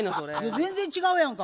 全然違うやんか。